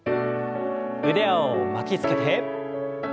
腕を巻きつけて。